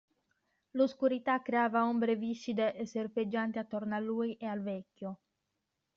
L'oscurità creava ombre viscide e serpeggianti attorno a lui e al vecchio.